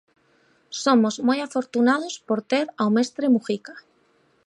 Somos moi afortunados por ter ao Mestre Mujica.